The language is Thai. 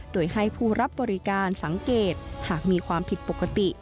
โดยให้ผู้รับบริการสังเกตหากมีความผิดปกติ